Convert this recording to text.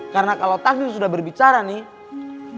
karena kalo takdir sudah berbicara nih